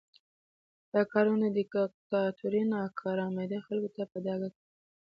دا کارونه د دیکتاتورۍ ناکارآمدي خلکو ته په ډاګه کوي.